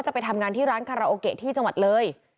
จะไปทำงานที่ร้านคาราโอเกะที่จังหวัดเลย